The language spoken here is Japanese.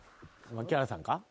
槇原さんか？